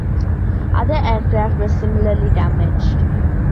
Other aircraft were similarly damaged.